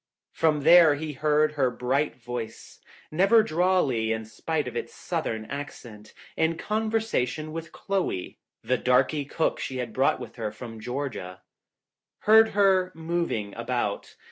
From there he heard her bright voice, never drawly in spite of its southern accent, in con versation with Chloe, the darky cook she had brought with her from Georgia. Heard her moving about.